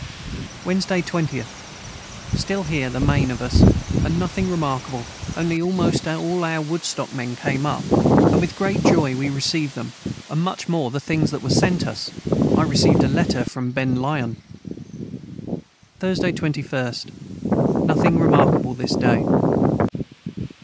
Wednesday 20th. Stil Here the main of us & Nothing remarkable only almost all our woodstock men came up & with great Joy we recived them & much more the things that were sent us, I receved a letter from Ben Lyon. Thursday 21st. Nothing remarkable this day.